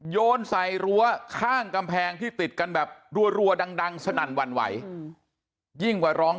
โยนใส่รั้วข้างกำแพงที่ติดกันแบบรัวดังสนั่นหวั่นไหวยิ่งกว่าร้อง